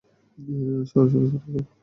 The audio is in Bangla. সরো, সরো, সরে যাও!